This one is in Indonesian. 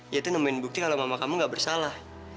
yaitu nemuin bukti kalau mama kamu gak bersalah